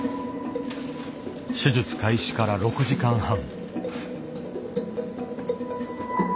手術開始から６時間半。